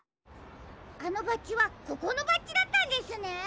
あのバッジはここのバッジだったんですね。